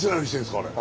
あれ。